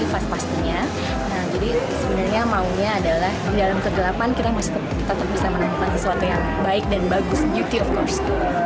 jadi sebenarnya maunya adalah dalam kegelapan kita tetap bisa menemukan sesuatu yang baik dan bagus